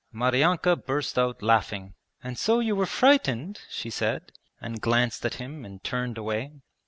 Maryanka burst out laughing. 'And so you were frightened?' she said, and glanced at him and turned away.